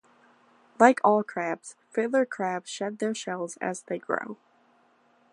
Like all crabs, fiddler crabs shed their shells as they grow.